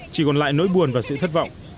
chỉ còn lại nỗi buồn và sự thất vọng